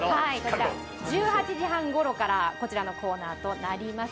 １８時半ごろから、こちらのコーナーとなります。